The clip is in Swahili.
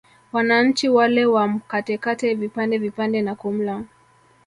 Wananchi wale wamkatekate vipande vipande na kumla